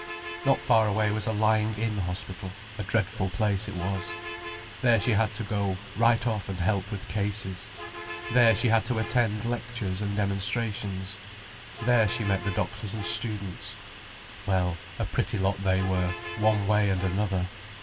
Not far away was a lying in hospital. A dreadful place it was. There she had to go, right off, and help with cases. There she had to attend lectures and demonstrations. There she met the doctors and students. Well, a pretty lot they were, one way and another.